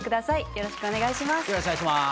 よろしくお願いします。